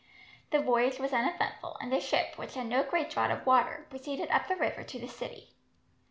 The voyage was uneventful, and the ship, which had no great draught of water, proceeded up the river to the city.